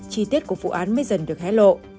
chi tiết của vụ án mới dần được hé lộ